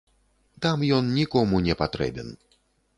Там ён нікому не патрэбен.